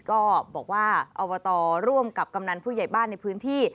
ก็บอกว่าอบตร่วมกับกำนันผู้ใหญ่บ้านในพื้นที่